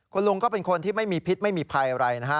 คุณลุงก็เป็นคนที่ไม่มีพิษไม่มีภัยอะไรนะฮะ